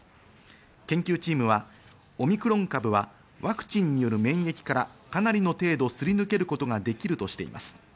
研究チームはオミクロン株はワクチンによる免疫からかなりの程度すり抜けることができるとしています。